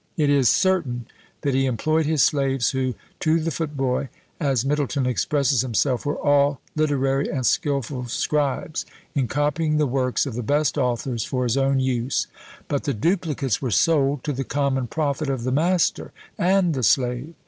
It is certain that he employed his slaves, who, "to the foot boy," as Middleton expresses himself, were all literary and skilful scribes, in copying the works of the best authors for his own use: but the duplicates were sold, to the common profit of the master and the slave.